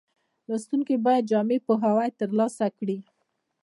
لوستونکي باید جامع پوهاوی ترلاسه کړي.